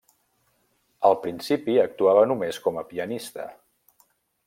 Al principi actuava només com a pianista.